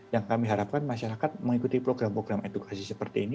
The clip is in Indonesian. yang kami harapkan masyarakat mengikuti program program edukasi seperti ini